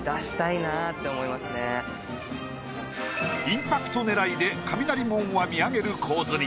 インパクト狙いで雷門は見上げる構図に。